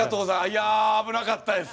いや危なかったです。